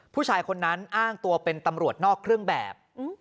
ผู้ชายคนนั้นอ้างตัวเป็นตำรวจนอกเครื่องแบบ